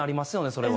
それは。